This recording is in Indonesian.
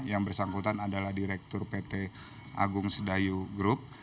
yang bersangkutan adalah direktur pt agung sedayu group